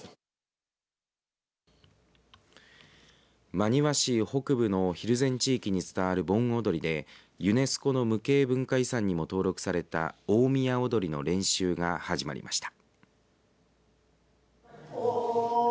真庭市北部の蒜山地域に伝わる盆踊りでユネスコの無形文化遺産にも登録された大宮踊の練習が始まりました。